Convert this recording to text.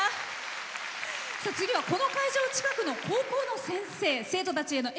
次はこの会場の近くの高校の先生。